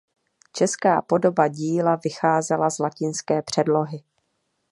Česká podoba díla vycházela z latinské předlohy.